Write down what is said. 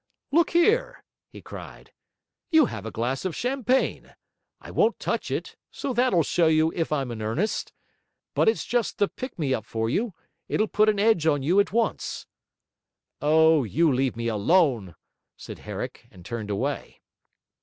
'Look here,' he cried, 'you have a glass of champagne. I won't touch it, so that'll show you if I'm in earnest. But it's just the pick me up for you; it'll put an edge on you at once.' 'O, you leave me alone!' said Herrick, and turned away.